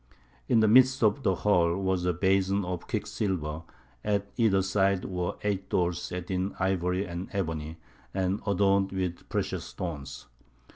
In the midst of the hall was a basin of quicksilver; at either side were eight doors set in ivory and ebony, and adorned with precious stones.